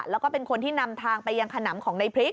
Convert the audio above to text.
แล้วก็เป็นคนที่นำทางไปยังขนำของในพริก